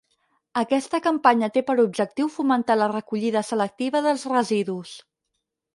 Aquesta campanya té per objectiu fomentar la recollida selectiva dels residus.